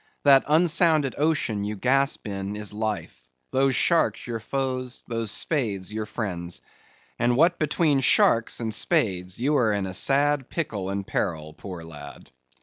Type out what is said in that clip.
That unsounded ocean you gasp in, is Life; those sharks, your foes; those spades, your friends; and what between sharks and spades you are in a sad pickle and peril, poor lad.